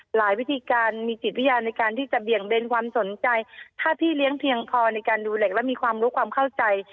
วิธีการมีจิตวิญญาณในการที่จะเบี่ยงเบนความสนใจถ้าพี่เลี้ยงเพียงพอในการดูเหล็กและมีความรู้ความเข้าใจ